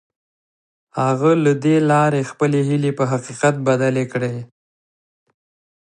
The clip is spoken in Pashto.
هغه له دې لارې خپلې هيلې په حقيقت بدلې کړې.